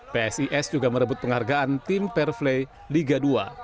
psis juga merebut penghargaan tim perflay liga dua